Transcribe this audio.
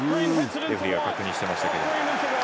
レフリーが確認していました。